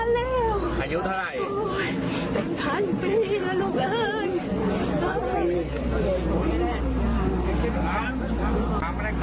ดีใจมากขึ้นนะดีใจแม่อยู่มานานแล้วอายุเท่าไหร่